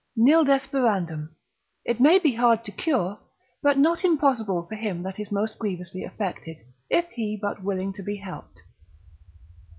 Nil desperandum. It may be hard to cure, but not impossible for him that is most grievously affected, if he but willing to be helped.